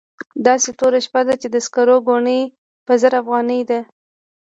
داسې توره شپه ده چې د سکرو ګونۍ په زر افغانۍ ده.